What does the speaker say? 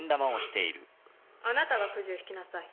あなたがくじを引きなさい。